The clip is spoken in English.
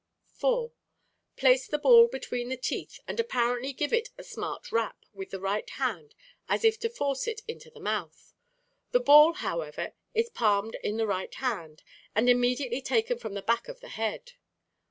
4. Place the ball between the teeth and apparently give it a smart rap with the right hand as if to force it into the mouth. The ball, however, is palmed in the right hand, and immediately taken from the back of the head.